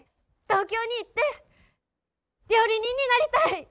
東京に行って料理人になりたい。